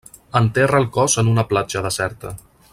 Enterra el cos en una platja deserta.